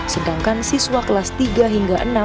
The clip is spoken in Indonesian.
sedangkan siswa kelas tiga hingga enam